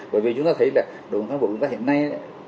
bởi vì chúng ta thấy là đối với cán bộ hiện nay